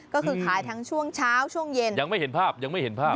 ก็คือขายทั้งช่วงเช้าช่วงเย็นยังไม่เห็นภาพยังไม่เห็นภาพ